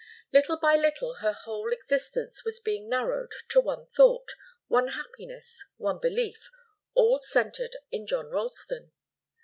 Little by little her whole existence was being narrowed to one thought, one happiness, one belief, all centred in John Ralston.